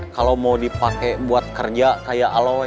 kalau mau dipakai buat kerja kayak aloy